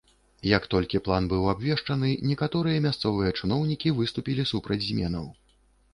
Як толькі план быў абвешчаны, некаторыя мясцовыя чыноўнікі выступілі супраць зменаў.